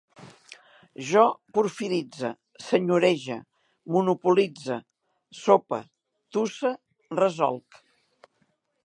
Jo porfiritze, senyorege, monopolitze, sope, tusse, resolc